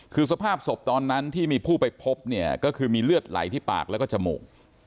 คือสภาพศพตอนนั้นที่มีผู้ไปพบเนี่ยก็คือมีเลือดไหลที่ปากแล้วก็จมูก